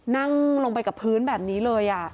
นั่งลงไปกับพื้นแบบนี้เลย